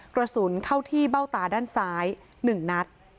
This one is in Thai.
กระสุนเข้าที่เบ้าตาด้านซ้าย๑นัด